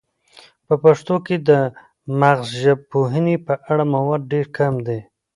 په پښتو کې د مغزژبپوهنې په اړه مواد ډیر کم دي